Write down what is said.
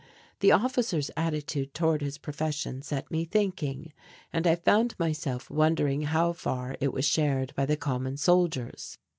The officer's attitude towards his profession set me thinking, and I found myself wondering how far it was shared by the common soldiers.